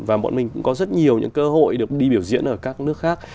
và bọn mình cũng có rất nhiều những cơ hội được đi biểu diễn ở các nước khác